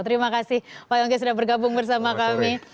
terima kasih pak yongki sudah bergabung bersama kami